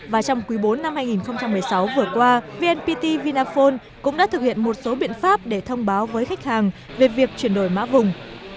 và trong quý bốn năm hai nghìn một mươi sáu vừa qua vnpt vinaphone cũng đã thực hiện một số biện pháp để thông báo với khách hàng về việc chuyển đổi mã vùng